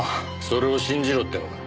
それを信じろってのか。